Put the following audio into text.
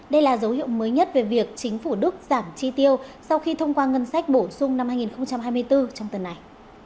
đây là dấu hiệu mới nhất về việc chính phủ đức giảm chi tiêu sau khi thông qua ngân sách bổ sung năm hai nghìn hai mươi bốn trong tuần này